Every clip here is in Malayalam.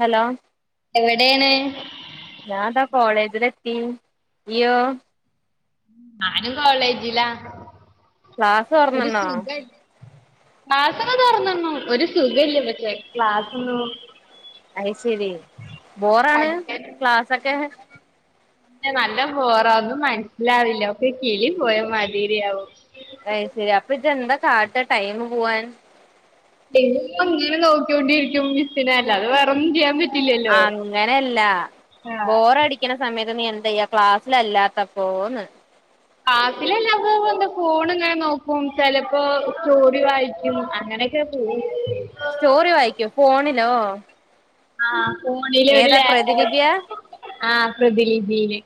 ഹലോ എവിടെയാണ് ഞാൻ ത കോളേജിലെത്തി ഇയോ? ഞാനും കോളേജില ക്ലാസ് ഒരു തൊറന്നണ്ണോ സുഖയില്യ ക്ലാസ് ഒക്കെ തുറന്നന്നു ഒരു സുഖയില്യ പക്ഷേ ക്ലാസൊന്നും അത് ശരി ബോറാണ് ക്ലാസൊക്കെ? നല്ല ബോറാകും ഒന്നും മനസ്സിലാവില്ല ഒക്കെ കിളി പോയ മാതിരിയാവും. അയ് ശരി, അപ്പൊ ജന്താ കാട്ട ടൈം പോവാൻ. അതിപ്പം ഇങ്ങനെ നോക്കിക്കോണ്ടിരിക്കും മിസ്സിനെ അല്ലാതെ വേറൊന്നും ചെയ്യാൻ പറ്റില്ല. അങ്ങനെയല്ല ആഹ് ബോറടി കിണ സമയത്ത് നീ എന്താ ചെയ്യാ ക്ലാസ്സില്ലാത്തപ്പോന്ന് ക്ളാസില്ലാത്തപ്പോ എന്താ, ഫോൺ ഇങ്ങനെ നോക്കും, ചിലപ്പോ സ്റ്റോറി വായിക്കും അങ്ങനെ. ൻ്റെ തുണി [unintelligible] സ്റ്റോറി വായിക്കോ ഫോണിലോ? ആ ഫോണില് ഒരു ഏതാ പ്രതിലിപിയാ ആപ്പ് ആ പ്രതിലിബില്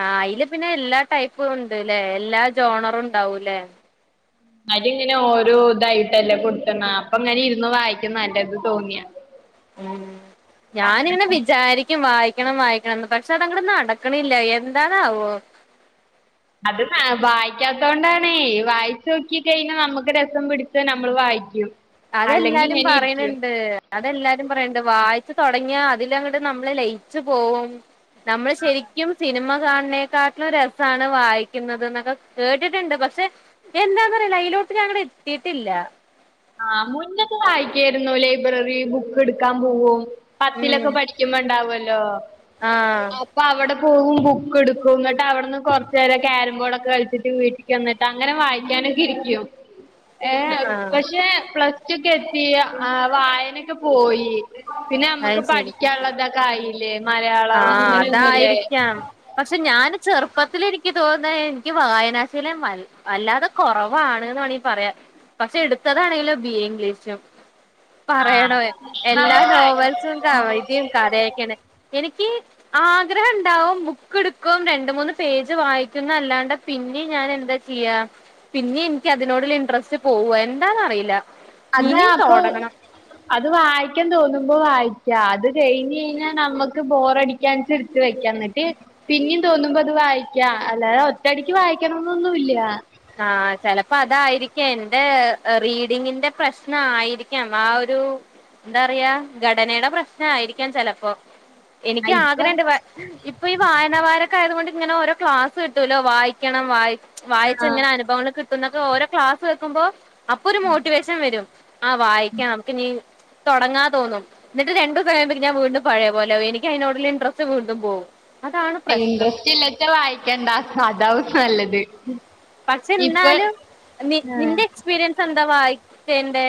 ആഹ അയില് പിന്നെ എല്ലാ ടൈപ്പും ഉണ്ട്ല്ലേ എല്ലാ ജോണറും ഉണ്ടാവൂലേ. അതില് ഇങ്ങനെ ഓരോ ഇതായിട്ടല്ലേ കൊടുത്തണ, അപ്പൊ ഇങ്ങന ഇരുന്ന് വായിക്കുന്ന നല്ലതാ തോന്നിയ ഉം ഞാനിങ്ങനെ വിചാരി എനിക്ക് വായിക്കണം വായിക്കണംന്ന് പക്ഷെ അതങ്ങട് നടക്കണില്ല എന്താണാവോ? അത് ഹെ വായിക്കാത്തോണ്ടാണേ വായിച്ചു നോക്കി കഴിഞ്ഞാ നമ്മുക്ക് രസം പിടിച്ച് നമ്മള് വായിക്കും അല്ലെങ്കി അതെല്ലാരും ഇങ്ങനെ ഇരിക്കും പറയണണ്ട് അതെല്ലാരും പറയണണ്ട് വായിച്ച് തുടങ്ങിയ അതിലങ്ങോട്ട് നമ്മള് ലയിച്ചു പോകുന്നു നമ്മള് ശരിക്കും സിനിമ കാണണേക്കാ [unintelligible] രസാണ് വായിക്കുന്നത് എന്നൊക്കെ കേട്ടിട്ടുണ്ട് പക്ഷെ. എന്താന്നാറില അയിലോട്ട് ഞങ്ങട്ടെ എത്തിയിട്ടില്ല ആ മുന്നൊക്കെ വായിക്കായിരുന്നു ലൈബ്രറി ബുക്ക് എടുക്കാൻ പോകും ഉം പത്തിലൊക്കെ പഠ കിബണ്ടാവല്ലോ ആഹ് അപ്പൊ അവിടെ പോകും ബുക്ക് എടുക്കും എന്നിട്ട് അവിടുന്ന് കൊറച്ച നേരം ക്ാരംോർഡൊക്കെ കളിച്ചിട്ട വീട്ട ന്നിട്ട് അങ്ങനെ വായിക്കാനൊക്കെ ഇരിക്കുവോ ഉ [unintelligible] ഏ പക്ഷെ പ്ലസ് ടു ഒക്കെ എത്തി ആ വായനൊക്കെ പോയി പിന്നെ അത് നമ്മക്ക് ശരി പഠിക്കാനുള്ളതൊക്കെ ആയില്ലേ മലയാളം ആഹ് അങ്ങനെയൊന്നുംല്ലേ അതായിരിക്കാം പക്ഷെ ഞാാന് ചെറുപ്പത്തിൽ എനിക്ക് തോന്ന എനിക്ക് വായനാശയിലെ മല വല്ലാതെ കുറവാണ്ന്ന് വേണെ പറയാ പക്ഷെ എടുത്തതാണെങ്കലോ ബി എ ഇംഗ്ലീഷ് ആഹ് പറയണോ എല്ലാ നന്നായി നോവൽസും കവൈതിയും കഥയൊക്കെയാണ് എനിക്ക് ആഗ്രഹം ഉണ്ടാവും ബുക്ക് എടുക്കും രണ്ട മൂന്ന് പേജ് വായിക്കുന്ന അല്ലാണ്ട് പിന്നെ ഞാൻ എന്താ ചെയ്യാ പിന്നെ എനിക്ക് അതിനോടുള്ള ഇൻട്രസ്റ്റ് പോവു എന്താന്ന അറിയില്ല അതിന് അപ്പൊ അത് വായിക്കാൻ തോന്നുമ്പോ വായിക്കാ അത് കഴിഞ ഴിഞ്ഞാൽ നമ്മക്ക് ബോറടി [unintelligible] ടുത്ത് വെക്ക എന്നിട്ട് പിന്നിം തോന്നുമ്പോ അത് വായിക്കാ അല്ലാതെ ഒറ്റടിക്ക് വായിക്കണന്നൊന്നുംല്ല ആഹ് ചിലപ്പോ അതായിരിക്കാം എന്റെ റീഡിങ്ങിന്റെ പ്രശ്ന ആയിരിക്കാം ആ ഒരു എന്താ പറയാ ഘടനയുടെ പ്രശ്ന ആയിരിക്കാൻ ചിലപ്പോ എനിക്ക് ആഹ് ഇപ്പൊ ആഗ്രഹം ഉണ്ട് ഇപ്പൊ ഈ വായനവാരൊക്കെ ആയത് കൊണ്ട് ഇങ്ങനെ ഓരോ ക്ലാസ് കിട്ടൂല്ലോ വായിക്കണം വായി യിച്ച ഇങ്ങനെ അനുഭവങ്ങൾ കിട്ടുന്നൊക്ക ഓരോ ക്ലാസ് കേൾക്കു ബോ അപ്പൊ ഒരു മോട്ടിവേഷൻ വരും ആ വായിക്കാം നമുക്ക് നീ തുടങ്ങാ തോനും എന്നിട്ട് രണ്ടു സമയം ഞാൻ വീണ്ടും പഴയ പോലോ എനിക്ക് അതിനോടുള്ള ഇൻടറ്രസ്റ്റ് വീണ്ടും പോകും ഇൻറ്രസ്റ്റ് ഇല്ലാത്ത വായിക്കണ്ടാ അതാവും നല്ലത് പക്ഷെ ഇപ്പൊ എന്നാലും ആഹ് നിന്റെ എക്സ്പീരിയൻസ് എന്താ വായിച്ചേന്റെ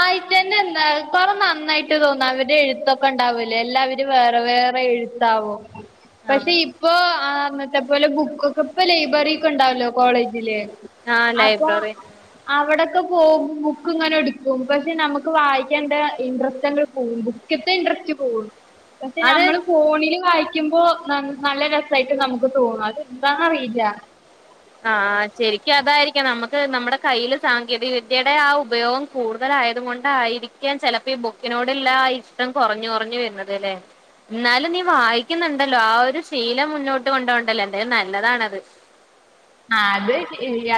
[inaudible] കൊറ നന്നായിട്ട് തോന്നും അവര് എഴുത്തൊക്കെ ഉണ്ടാവൂലേ എല്ലാവരും വേറെ വേറെ എഴുത്താവും പക്ഷെ ആഹ് ഇപ്പൊ ആ അന്നത്തെ പോലെ ബുക്കക്കെ ഇപ്പ ലൈബ്രറിക്ക ഉണ്ടാവല്ലോ കോളേജില് ആഹ് അപ്പൊ ലൈബ്രറി അവിടെൊക്കെ പോകും ബുക്ക് ഇങ്ങനെ എടുക്ക പക്ഷെ നമുക്ക് വായിക്കാണ്ട ഇൻട്രസ്റ്റ്ങ്ങൾ പോവും ബുക്കത്തെ ഇൻട്രസ്റ്റ് പോകും പക്ഷെ അത് നമ്മള് ഫോണില് വായിക്കുമ്പോ നല്ല രസമായിട്ട് നമുക്ക് തോന്നും അത് എന്താണറിയില്ല ആഹ് ശെരിക്കും അതായിരിക്കാം നമുക്ക് നമ്മുടെ കയ്യിൽ സാങ്കേതിക വിദ്യയുടെ ആ ഉപയോഗം കൂടുതലായത കൊണ്ടായിയിരിക്കാൻ ചിലപ്പോ ഈ ബുക്കിനോടുള്ള ആ ഇഷ്ടം കുറഞ്ഞു കുറഞ്ഞു വരുന്നത് ലേ ഇന്നാലും നീ വായിക്കുന്നുണ്ടല്ലോ ആ ഒരു ശീലം മുന്നോട്ട് കൊണ്ടോണ്ടല്ലോ എന്തായാലും നല്ലതാണത് ആ അത്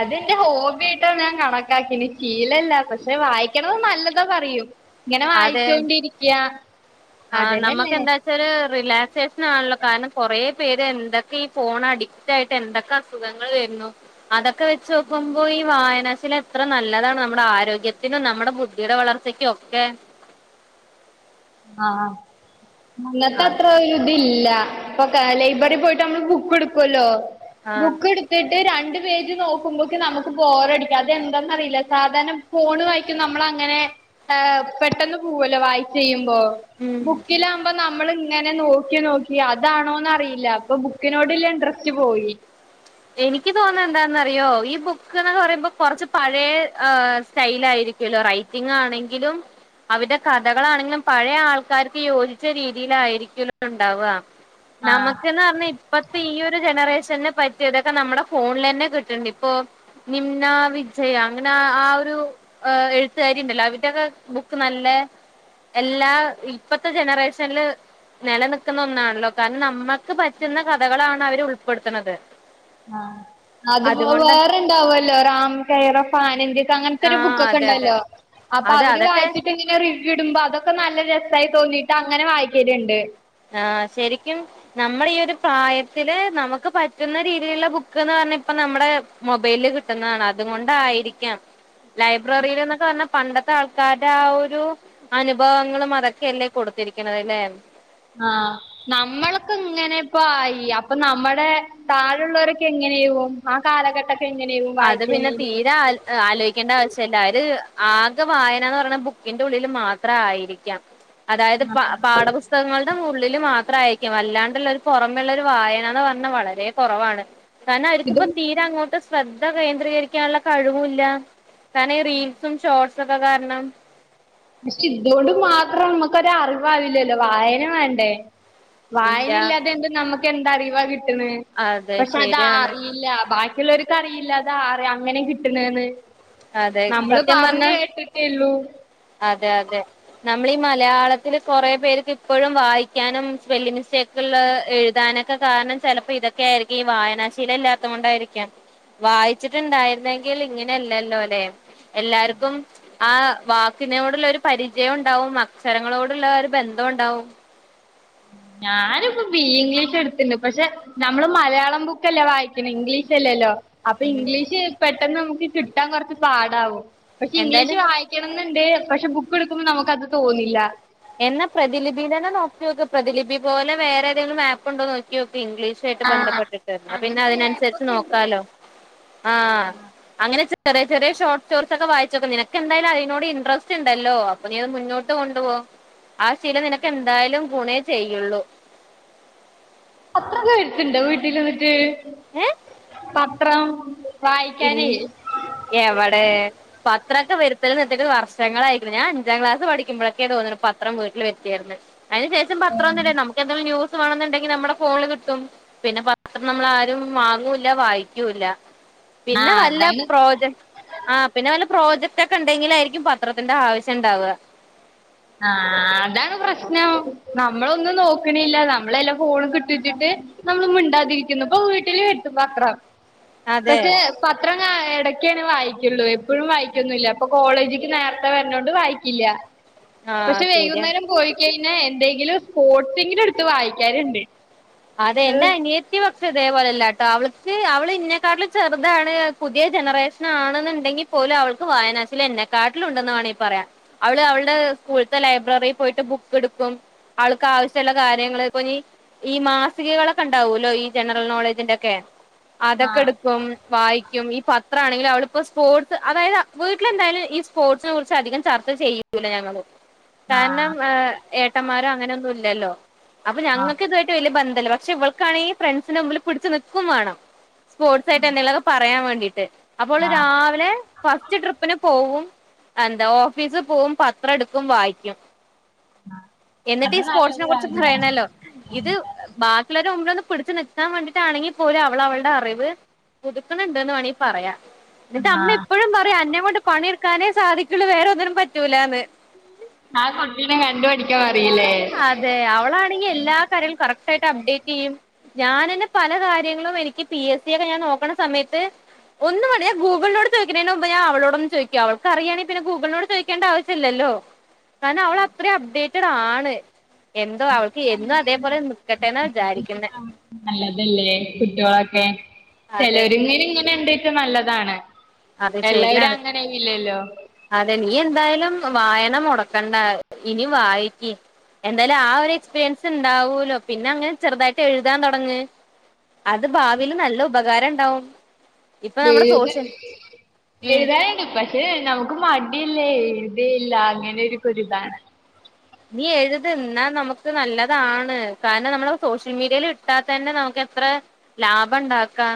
അതെന്റെ ഹോബിായിട്ടാ ഞാൻ കണക്കാക്കി ശീലല്ല പക്ഷെ വായി വായിക്ക്ണ നല്ലതോ പറയും ഇങ്ങനെ അതെ വായിച്ച കൊണ്ടിരിക്കയാ അതന്നെല്ലേ ചെലെ റിലാക്സേഷൻ ആണല്ലോ കാരണം കൊറേ പേര് എന്തൊക്കെ ഈ ഫോണ അടി ട്ടായിട്ട് എന്തൊക്കെ അസുഖങ്ങൾ വരുന്നു അതൊക്കെ വെച്ച് നോക്കുമ്പോ ഈ വായനാ ശീല എത്ര നല്ലതാണ് നമ്മുടെ ആരോഗ്യത്തിനും നമ്മുടെ ബുദ്ധിയുടെ വളർച്ചയ്ക്കും ഒക്കെ ആഹ് നല്ലത് ആണ് അത്രയ് ല്ല ലൈബ്രറി പോയിട്ട് നമ്മള് ബുക്ക് എടുക്കല്ലോ ആഹ് ബുക്ക് ഇട്ട് രണ്ട് പേജ് നോക്കുമ്പോക്ക് നമുക്ക് ബോറടിക്കും അതെന്താന്നറിയില്ല സാധാര ഫോണ് വായിക്കും നമ്മള് അങ്ങനെ ഹെ പെട്ടെന്ന് പോവല്ലോ വായിച്ച് കയ്യും ഇപ്പെ ഉം ബുക്ക് ലാവു അപ്പൊ നമ്മള് ഇങ്ങനെ നോക്കി നോക്കി അതാണോന്ന് അറിയില്ല അപ്പൊ ബുക്കിനോട്ള്ള ഇൻട്രസ്റ്റ് പോയി എനിക്ക് തോന്നുന്നത് എന്താന്ന അറിയോ ഈ ബുക്ക് എന്ന പറയുമ്പോ കൊറച്ച് പഴയ ഹ് സ്റ്റൈല് ആയിരി റൈറ്റിംഗ് ആണെങ്കിലും അവിടെ കഥകളാണെങ്കിലും പഴയ ആൾക്കാർക്ക് യോജിച്ച രീതിയിലായിരിക്കൊലോ ഇണ്ടാവ ആഹ് നമുക്ക് എന്ന് പറഞ്ഞ ഇപ്പത്തെ ഈ ഒരു ജനറേഷനെ പറ്റി ഇതൊക്കെ നമ്മുടെ ഫോണില് തന്നെ കിട്ട്ണ് ണ്ട് ഇപ്പൊ നിംന വിജയ അങ്ങനെ ആ ഒരു എഴുത്തുകാരി ഇണ്ടല്ലോ അവിരുടെ ഒക്കെ ബുക്ക് നല്ല എല്ലാ ഇപ്പത്തെ ജനറേഷനിൽ നിലനിൽക്കുന്ന ഒന്നാണല്ലോ കാരണം നമ്മ ക്ക് പറ്റുന്ന കഥകളാണ് അവർ ഉൾപ്പെടുത്തണ്ത് ആഹ് അത്പ്പോ വേറെ ഇണ്ടാവല്ലോ Ram care of Annie India അങ്ങനത്തെ ഒരു ആഹ് ബുക്ക് ഒക്കെ അതെ അതെ ഉണ്ടല്ലോ അപ്പൊ അതെ അവര് അതൊക്കെ വായിച്ചിട്ട്‌ റിവ്യൂ ഇടുമ്പോ അതൊക്കെ നല്ല രസമായി തോന്നീട്ട് അങ്ങനെ വായിക്കലുണ്ട് ആഹ് ശരിക്കും നമ്മള് ഈ ഒരു പ്രായത്തില് നമുക്ക് പറ്റുന്ന രീതിയിലുള്ള ബുക്ക്ന്ന് പറഞ്ഞ ഇപ്പം നമ്മുടെ മൊബൈയ്ല് കിട്ടുന്നതാണ് അതുകൊണ്ടായിരിക്കാം ലൈബ്രറിൽ എന്നൊക്കെ പറഞ്ഞാൽ പണ്ടത്തെ ത്തെ ആൾക്കാരുടെ ആ ഒരു അനുഭവങ്ങളും അതൊക്കെയ അല്ലേ കൊടുത്തിരിക്കുന്നത് അല്ലെ ആഹ് നമ്മളക്കെ ഇങ്ങനെ ഇപ്പോ ആയി അപ്പൊ നമ്മടെ താഴുള്ളവരൊക്കെ എങ്ങനെയാവും ആ കാലഘട്ടൊക്കെ എങ്ങനെവും അത് പിന്നെ വായിച്ചില്ലങ്കിൽ തീരെ ആ ആലോയിക്കേണ്ട ആവശ്യല്ല അവര് ആകെ വായനന്ന് പറഞ്ഞാ ബുക്കിന്റെ ഉള്ളില് മാത്രം ആയിരിക്കാം അതായത് പാ പാഠപുസ്തകം പുസ്തകങ്ങളുടെ ഉള്ളില് മാത്രം ആയിരിക്കും അല്ലാണ്ടുള്ള ഒരു പുറമെ ഉള്ള ഒരു വായന എന്ന് പറഞ്ഞാൽ വളരെ കുറവാണ് കാരണം അവർക്കി ഇപ്പോ തീരെ അങ്ങോട്ട് ശ്രദ്ധ കേന്ദ്രീകരിക്കാനുള്ള കഴിവും ഇല്ല കാരണം റീൽസും ഷോർട്സും ഒക്കെ കാരണം, പക്ഷെ ഇതുകൊണ്ട് മാത്രം നമുക്കൊരു അറിവായില്ലല്ലോ. വായന വേണ്ടേ. ഇല്ല വായന ഇല്ലാതെ എന്ത് നമുക്ക് എന്താ അറിവാ കിട്ട്ണ്. അതെ പക്ഷെ അതാ ശരിയാണ് അറിയില്ല ബാ പിള്ളേർക്ക് അറിയില്ല, അത് [unintelligible] അങ്ങനെ കിട്ട്ണെന്ന്. അതെ നമ്മള് സത്യം പറഞ്ഞ് പറഞ്ഞ കേട്ടിട്ടേള്ളൂ. അതെ അതെ. നമ്മളീ ഈ മലയാളത്തില് കുറെ പേർക്ക് ഇപ്പോഴും വായിക്കാനും, സ്പെല്ലിങ് മിസ്റ്റേക്, കിള്ള എഴുതാനൊക്കെ കാരണം, ചിലപ്പോ ഇതൊക്കെ ആയിരിക്കും. ഈ വായനാശീലം ഇല്ലാത്തത് കൊണ്ടായിരിക്കാം. വായിച്ചിട്ടുണ്ടായിരുന്നെങ്കിൽ ഇങ്ങനെയല്ലല്ലോ എല്ലാർക്കും ആ വാക്കിനോടുള്ള ഒരു പരിചയം ഉണ്ടാവും. അക്ഷരങ്ങളോടുള്ള ഒരു ബന്ധം ഉണ്ടാവും. ഞാനിപ്പം ബി എ ഇംഗ്ലീഷ് എടുത്തിണ്ട്. പക്ഷെ, നമ്മള് മലയാളം ബുക്കല്ലേ വായിക്കണ്. ഇംഗ്ലീഷ് അല്ലല്ലോ. അപ്പൊ ഉം ഇംഗ്ലീഷ് പെട്ടെന്ന് നമുക്ക് കിട്ടാൻ കുറച്ച് പാടാവും. പക്ഷെ ഇംഗ്ലീഷ് എന്തായാലും വായി ക്ക്ണം എന്നുണ്ട്. പക്ഷെ ബുക്ക് എടുക്കുമ്പോ നമുക്ക് അത് തോന്നില്ല. എന്നാ പ്രതിലിപി തന്നെ നോക്കി നോക്ക്. പ്രതിലിപി പോലെ വേറെ ഏതങ്കിലും ആപ്പ് ഉണ്ടോ നോക്കി നോക്ക്. ഇംഗ്ലീഷ യിട്ട് ആഹ് ബന്ധപ്പെട്ടിട്ട്. പിന്നെ അങ്ങനത്തെ അതിനനുസരിച്ച് ആപ്പൊക്കെ ഉണ്ട് നോക്കാലോ. ആഹ് അങ്ങനെ ചെറിയ ചെറിയ ഷോർട്ട് സ്റ്റോറിസ് ഒക്കെ വായിച്ചോക്ക്. നിനക്ക് എന്തായാലും അയിനോട് ഇൻറസ്റ്റ് ഇണ്ടല്ലോ. അപ്പൊ നീയത് മുന്നോട്ട് കൊണ്ടു പോ. ആ ശിലം നിനക്ക് എന്തായാലും ഗുണേ ചെയ്യുള്ളൂ. പത്രൊക്കെ വര്ത്ത്ണ്ടോ വീട്ടിള് മറ്റേ. ഏ പത്രം ഇൽ വായിക്കാനേ എവടെ. പത്രം ഒക്കെ വരുത്തല് നിർത്തിയിട്ട് വർഷങ്ങളായിരിക്ക്ണ്. ഞാൻ അഞ്ചാം ക്ലാസ് പഠിക്കുമ്പോക്കേ തോന്നുന്നു പത്രം വീട്ടില് വരുത്തിയായിരുന്ന്. അതിനു ശേഷം പത്രം ഒന്നുല്ല. നമുക്ക് എന്തേലും ന്യൂസ് സ് വാണെന്നുണ്ടെങ്കിൽ നമ്മുടെ ഫോണില് കിട്ടും. പിന്നെ പത്രം നമ്മൾ ആരും വാങ്ങൂല്ല, വായിക്കൂല്ല. പിന്നെ ആഹ് വല്ല അതാണ് പ്രോജക്ട്, ആഹ് പിന്നെ വല്ല പ്രോജക്ട് ഒക്കെ ഉണ്ടെങ്കിലാ ആയിരിക്കും, പത്രത്തിന്റെ ആവശ്യം ഉണ്ടാവുക. ആഹ് അതാണ് പ്രശ്നം. നമ്മളൊന്നും നോക്കണ്ല്ല. നമ്മളെല്ലാം ഫോണ് കിട്ടൂന്ന്ച്ച്ട്ട്. നമ്മള് മിണ്ടാതിരിക്കുന്നു. ഇപ്പൊ വീട്ടില് കിട്ടും. അതെ പക്ഷെ, പത്രം ഞാ ഇടക്കാണ് വായിക്കുള്ളൂ. എപ്പോഴും വായിക്കൊന്നില്ല. അപ്പൊ കോളേജക്ക് നേരത്തെ വരുന്നോണ്ട് വായിക്കില്ല. ആഹ് പക്ഷെ ശരിയാണ് വൈകുന്നേരം പോയി കഴിഞ്ഞാൽ എന്തെങ്കിലും സ്പോർട്സങ്കിലും എടുത്ത് വായിക്കാറുണ്ട്. അതെ എന്റെ ആഹ് അനിയ ത്തി പക്ഷേ ഇതേപോലെല്ലാട്ടോ. അവൾക്ക് അവളെന്നേക്കാട്ടി ചെറുതാണ്, പുതിയ ജനറേഷനാ ണെന്ന് ണ്ടെങ്കി പോലും അവൾക്ക് വായനാശീലം എന്നെക്കാട്ടിലും ഉണ്ടെന്ന് വേണീ പറയാം. അവള് അവളുടെ സ്കൂളത്തെ ലൈബ്രറിൽ പോയിട്ട് ബുക്കെടുക്കും. ആൾക്കാവശ്യള്ള കാര്യങ്ങള് ഇപ്പൊനി, ഈ മാസികകളൊക്കെ ഉണ്ടാവൂല്ലോ, ഈ ജനറൽ നോളേജിന്റൊക്കെ. അതൊക്കെടുക്കും, വായിക്കും. ഈ പത്രാണെങ്കിലും അവളിപ്പോൾ സ്പോർട്സ് അതായത് വീട്ടിലെന്തായാലും, ഈ സ്പോർട്സിനെ കുറിച്ച് അധികം ചർച്ച ചെയ്യും. പിന്നെ ഞങ്ങളും. കാരണം ആഹ് ഏഹ് ഏട്ടന്മാരോ അങ്ങനൊന്നും ഇല്ലല്ലോ. അപ്പൊ ആഹ് ഞങ്ങൾക്കിതാ യിട്ട് വലിയ ബന്ധല്ല. പക്ഷെ ഇൾക്കാണെങ്കില് ഫ്രണ്ട്സിന് മുമ്പില് പിടച്ച് നിൽക്കുവേണം. സ്പോർട്സായിട്ട് എന്തെങ്കിലൊക്കെ പറയാൻ വേണ്ടീട്ട്. അപ്പോ അവള് ആഹ് രാവിലെ, ഫസ്റ്റ് ട്രിപ്പിന് പോവും. എന്താ ഓഫീസിൽ പോകും. പത്രം എടുക്കും വായിക്കും. എന്നിട്ട് അത് ഈ നല്ലൊരു സ്പോർട്സിനെ കുറിച്ച് കാര്യാണ് പറയണല്ലോ, ഇത് ബാക്കിയുള്ളവരുടെ മുമ്പിലൊന്ന് പിടിച്ച് നിക്കാൻ വേണ്ടിട്ടാണെങ്കി പോലും, അവള് അവളുടെ അറിവ് പുതുക്കണണ്ട്ന്ന് വേണെങ്കിൽ പറയാം. എന്നിട്ട് അമ്മ ആഹ് എപ്പോഴും പറയും. അന്നെ കൊണ്ട് പണിയെടുക്കാനേ സാധിക്കുള്ളൂ. വേറെ ഒന്നിനും പറ്റൂലാന്ന്. ആ കുട്ടീനെ കണ്ടു പഠിക്കാൻ പറീല്ലേ. അതെ അവളാണെങ്കിൽ എല്ലാ കാര്യങ്ങളും കറക് റ്റായിട്ട് അപ്ഡേറ്റ് ചെയ്യും. ഞാൻ ന്നെ പല കാര്യങ്ങളും, എനിക്ക് പി എസ്സിക്കെ ഞാൻ നോക്കണ സമയത്ത്, ഒന്ന് വേണ്ട. ഞാൻ ഗൂഗിളിനോട് ചോദിക്കുന്നതിന് മുമ്പ് ഞാൻ അവളോടൊന്ന് ചോദിക്കും. അവക്ക് അറിയണേല് പിന്നെ ഗൂഗളിനോട് ചോയ് ക്കേണ്ടാവശ്യല്ലല്ലോ കാരണം അവളത്രയും അപ്ഡേറ്റഡ് ആണ് എന്തോ അവൾക്ക് എന്നും അതേപോലെ നി [unintelligible] ഇനിപ്പൊ അവൾക്ക് നല്ലതല്ലേ കുട്ട്യോളൊക്കെ അതെ ചെലോര് ലീവിങ്ങനെ എന്തേട്ടും നല്ലതാണ് അത് എല്ലാവരും ശരിയാണ് അങ്ങനെ ഇല്ലല്ലോ അതെ നീ എന്തായാലും വായന മുടക്കണ്ട ഇനി വായിക്കി എന്തായാലും ആ ഒരു എക്സ്പീരിയൻസ് ഉണ്ടാവൂല്ലോ പിന്നെ അങ്ങനെ ചെറുതായിട്ട് എഴുതാൻ തൊടങ്ങ് അത് ഭാവിയീൽ നല്ല ഉപകാരം ഇണ്ടാവും ഇപ്പൊ നമ്മുടെ സോഷ്യൽ ഉം എഴുതാന്ണ്ട് പക്ഷെ നമുക്ക് മടിയല്ലേ എഴുതേയില്ല അങ്ങനൊക്കെയൊരിതാണ് നീ എഴുത് ഇന്നാനമുക്ക് നല്ലതാണ് കാരണം നമ്മള് സോഷ്യൽമീഡിയയിൽ ഇട്ടാത്തെന്നെ നമുക്ക് എത്രെ ലാഭണ്ടാക്കാ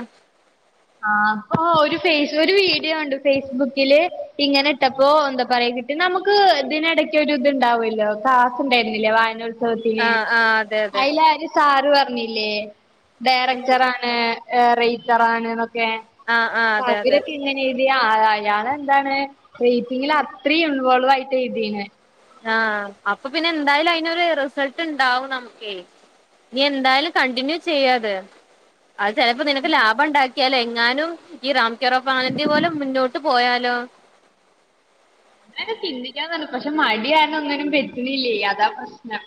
ആ അപ്പൊ ഒരു ഫൈസ് ഒരു വീഡിയോ കണ്ട് ഫേയിസ്ബുക്കില് ഇങ്ങനെ ഇട്ടപ്പോ എന്തപറയാ കി നമുക്ക് ഇതിനെടയ്ക്കൊരു ഇത്ണ്ടാവൊല്ലോ ക്ലാസ്സ് ഉണ്ടായിരുന്നില്ലേ വായനോ കേട്ടിലേ ആഹ് ആഹ് അതെ അതെ അയിലാരിസ് സാറ് പറഞ്ഞില്ലേ എന്ത് ഡയറക്ടറാണ് റൈറ്ററാണെന്നൊക്കെ ആഹ് ആഹ് അപ്പൊ അതെ അതെ അവരൊക്കെ അങ്ങനെ എഴ്തിയാ അയാളെന്താണ് റൈറ്റിങ്ങില് അത്രയും ഇൻ വോൾവായിട്ടെ എഴുതീണ് ആ അപ്പൊ പിന്നെന്തായാലു അയിനൊരു റിസൾട്ട്ണ്ടാവും നമുക്കെ നീ എന്തായാലും കണ്ടിന്യൂ ചെയ്യത് അഹ് ചെലപ്പോ നിനക്ക് ലാഭം ഉണ്ടാക്കിയാലെങ്ങാനും ഈ റാംക്കിറോപ്പാന്റ് പോലും മുന്നോട്ട് പോയാലോ അങ്ങനെ ചിന്തിക്കായിരുന്നു പക്ഷെ മടി കാര്ണം ഒന്നിനും പറ്റെണില്ലേ അതാ പ്രശ്നം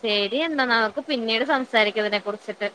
ശരി എന്നാ നമുക്ക് പിന്നീട് സംസാരിക്കാ ഇതിനെ കുറിച്ചിട്ട്